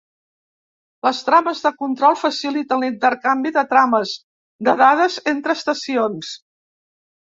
Les trames de control faciliten l'intercanvi de trames de dades entre estacions.